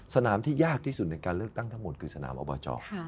สนามที่ยากที่สุดในการเลือกตั้งทั้งหมดคือสนามอบจ